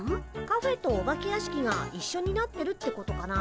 カフェとお化け屋敷が一緒になってるってことかな？